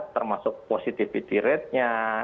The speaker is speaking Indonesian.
termasuk positivity ratenya